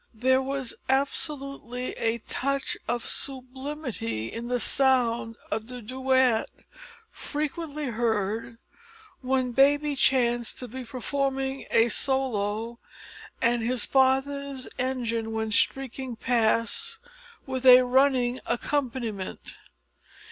There was absolutely a touch of sublimity in the sound of the duet frequently heard when baby chanced to be performing a solo and his father's engine went shrieking past with a running accompaniment!